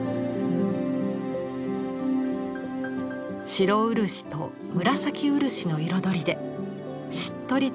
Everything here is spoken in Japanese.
白漆と紫漆の彩りでしっとりと垂れ下がる房。